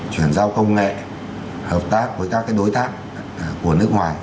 chuyển giao công nghệ hợp tác với các đối tác của nước ngoài